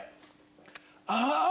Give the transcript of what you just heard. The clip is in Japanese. ああ！